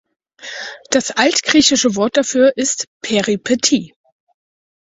Das altgriechische Wort dafür ist Peripetie.